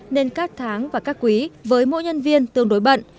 nên các tháng và các quý với mỗi nhân viên tương đối bận